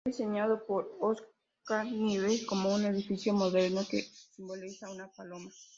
Fue diseñado por Oscar Niemeyer como un edificio moderno que simboliza una paloma.